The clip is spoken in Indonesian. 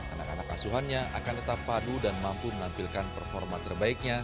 karena anak anak asuhannya akan tetap padu dan mampu menampilkan performa terbaiknya